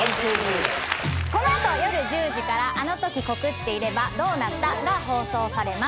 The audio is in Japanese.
この後夜１０時から『あのとき告っていればどうなった？！』が放送されます。